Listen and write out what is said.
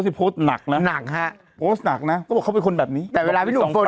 ที่โพสต์หนักนะหนักฮะโพสต์หนักนะเขาบอกเขาเป็นคนแบบนี้แต่เวลาพี่หนุ่มโพสต์